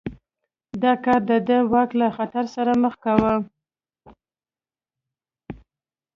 دا کارونه د ده واک له خطر سره مخ کاوه.